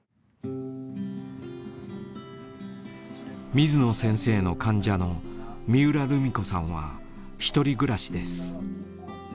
水野先生の患者の三浦るみ子さんは一人暮らしです。